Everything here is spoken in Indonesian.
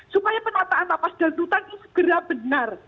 supaya penataan lapas dan lutan ini segera benar